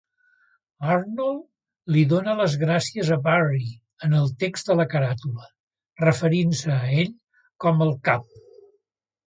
Arnold li dóna les gràcies a Barry en el text de la caràtula, referint-se a ell com "el Cap".